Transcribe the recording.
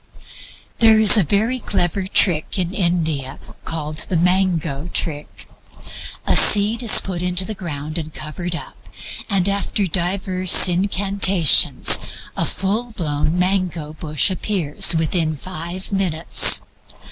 There is a very clever trick in India called the mango trick. A seed is put in the ground and covered up, and after diverse incantations a full blown mango bush appears within five minutes.